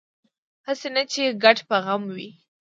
هسې نه چې ګډ په غم وي